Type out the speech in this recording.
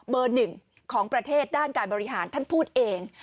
หนึ่งของประเทศด้านการบริหารท่านพูดเอง